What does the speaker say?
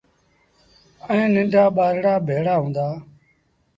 ائيٚݩ ننڍآ ٻآرڙآ ڀيڙآ هُݩدآ ۔